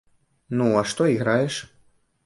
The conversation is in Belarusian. Ну, а што іграеш?